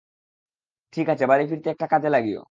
ঠিক আছে, বাড়ি ফিরতে এটা কাজে লাগিও।